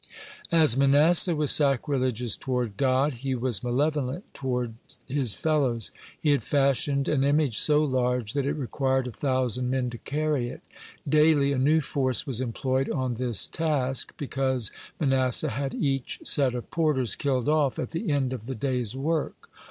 (97) As Manasseh was sacrilegious toward God, he was malevolent toward his fellows. He had fashioned an image so large that it required a thousand men to carry it. Daily a new force was employed on this task, because Manasseh had each set of porters killed off at the end of the day's work.